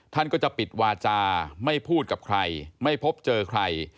ท่านก็จะปิดวาจาไม่พูดกับใครไม่พบเจอใคร